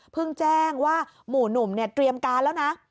แจ้งว่าหมู่หนุ่มเนี่ยเตรียมการแล้วนะ